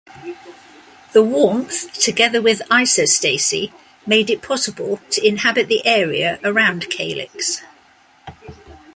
The warmth together with isostasy made it possible to inhabit the area around Kalix.